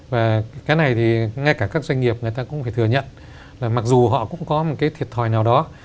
và cái này thì ngay cả các doanh nghiệp người ta cũng phải thừa nhận là mặc dù họ cũng có một cái thiệt thòi nào đó